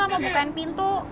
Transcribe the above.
dia maksa mau bukain pintu